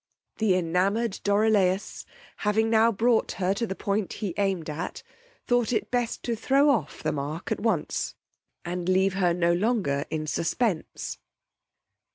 The enamoured Dorilaus having now brought her to the point he aimed at, thought it best to throw off the mark at once, and leave her no longer in suspence.